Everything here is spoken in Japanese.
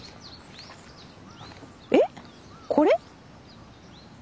えっ？これ？